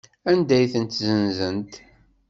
Anda ay tent-ssenzent?